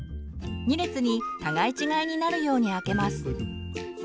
２列に互い違いになるように開けます。